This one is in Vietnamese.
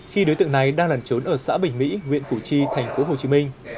khi đối tượng này đang lần trốn ở xã bình mỹ nguyễn củ chi tp hcm